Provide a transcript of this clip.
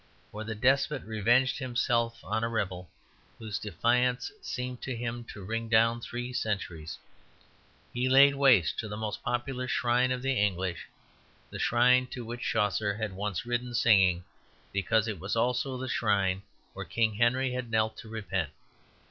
For the despot revenged himself on a rebel whose defiance seemed to him to ring down three centuries. He laid waste the most popular shrine of the English, the shrine to which Chaucer had once ridden singing, because it was also the shrine where King Henry had knelt to repent.